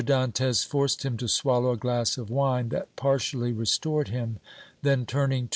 Dantès forced him to swallow a glass of wine that partially restored him; then, turning to M.